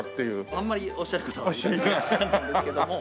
あんまりおっしゃる方はいらっしゃらないですけども。